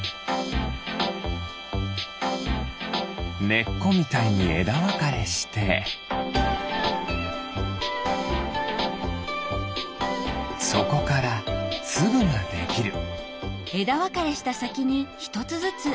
ねっこみたいにえだわかれしてそこからつぶができる。